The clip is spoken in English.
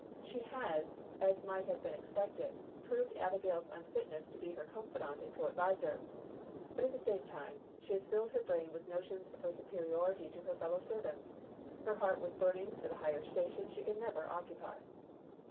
She has, as might have been expected, proved Abigail's unfitness to be her confidante and co adviser; but, at the same time, she has filled her brain with notions of her superiority to her fellow servants, her heart with burnings for the higher station she can never occupy.